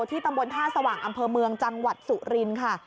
ตำบลท่าสว่างอำเภอเมืองจังหวัดสุรินค่ะ